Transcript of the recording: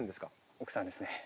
奥さんですね。